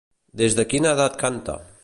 Des de quina edat canta?